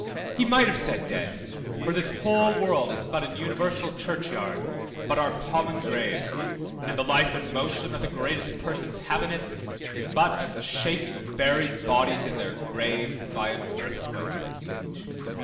he might have said dead, for this whole world is but an universal churchyard, but our common grave, and the life and motion that the greatest persons have in it is but as the shaking of buried bodies in their grave, by an earthquake.